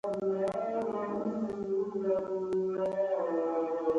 ځینې محصلین د ارام ځایونو لټه کوي.